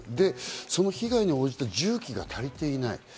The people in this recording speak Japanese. その被害に応じて重機が足りていない。